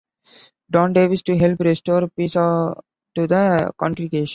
Don Davis, to help restore peace to the congregatin.